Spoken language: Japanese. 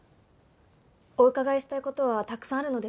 お伺いしたい事はたくさんあるのですが。